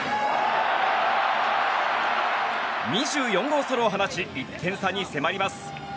２４号ソロを放ち１点差に迫ります。